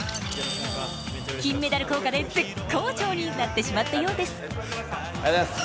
金メダル効果で舌好調になってしまったようです。